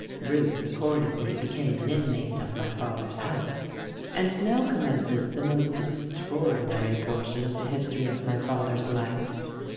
Ruth accordingly became an inmate of my father's house. "And now commences the most extraordinary portion of the history of my father's life.